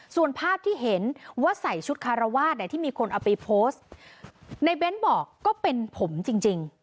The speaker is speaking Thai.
ส่วนภาพที่เห็นว่าใส่ชุดคารวาสที่มีคนเอาไปโพสต์ในเบ้นบอกก็เป็นผมจริงจริง